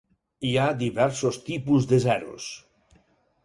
Hi ha diversos tipus de zeros.